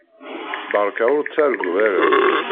Beṛka ur ttargu ara.